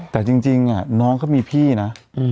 แต่จริงน้องก็มีพี่นะ